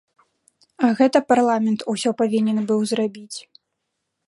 А гэта парламент усё павінен быў зрабіць.